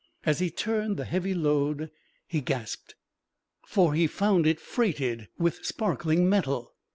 As he turned the heavy load he gasped, for he found it freighted with sparkling metal.